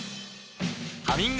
「ハミング」